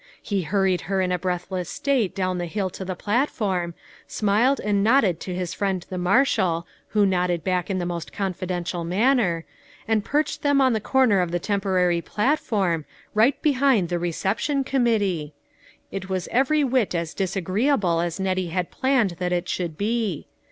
He hurried her in a breathless state down the hill to the platform, smiled and nodded to his friend the marshal, who nodded back in the THE CROWNING WONDEB. 413 most confidential manner, and perched them on the corner of the temporary platform, right be hind the reception committee ! It was every whit as disagreeable as Nettie had planned that it should be.